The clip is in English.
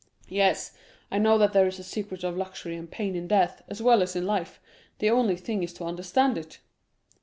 "Yes; I know that there is a secret of luxury and pain in death, as well as in life; the only thing is to understand it."